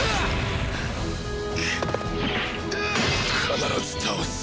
必ず倒す！